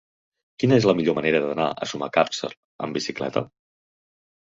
Quina és la millor manera d'anar a Sumacàrcer amb bicicleta?